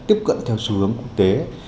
tiếp cận theo xu hướng quốc tế